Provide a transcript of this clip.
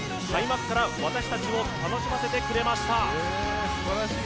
開幕から私たちを楽しませてくれました。